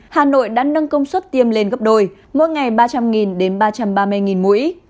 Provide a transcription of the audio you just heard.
hà nội đã nâng công suất tiêm lên gấp đôi mỗi ngày ba trăm linh đến ba trăm ba mươi mũi